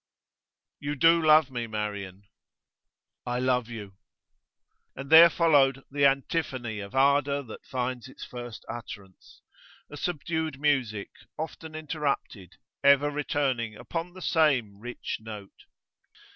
'You do love me, Marian?' 'I love you.' And there followed the antiphony of ardour that finds its first utterance a subdued music, often interrupted, ever returning upon the same rich note.